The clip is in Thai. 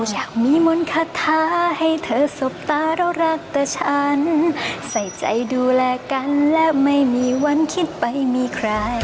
อยากมีมนต์คาถาให้เธอสบตาแล้วรักแต่ฉันใส่ใจดูแลกันและไม่มีวันคิดไปมีใคร